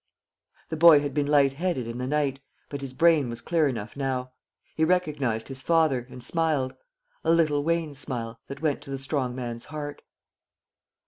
The boy had been light headed in the night, but his brain was clear enough now. He recognised his father, and smiled a little wan smile, that went to the strong man's heart.